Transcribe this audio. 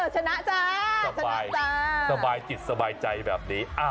ชนะจ้ะชนะจ้ะสบายติดสบายใจแบบนี้